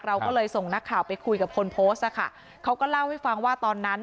เราก็เลยส่งนักข่าวไปคุยกับคนโพสต์อะค่ะเขาก็เล่าให้ฟังว่าตอนนั้น